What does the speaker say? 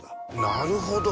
なるほど。